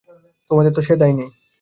তোমাদের তো সে দায় নেই!